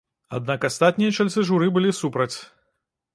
Аднак астатнія чальцы журы былі супраць.